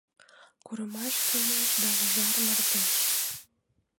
Курымаш кеҥеж Да ужар мардеж.